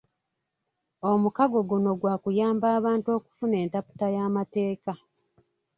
Omukago guno gwakuyamba abantu okufuna entaputa y'amateeka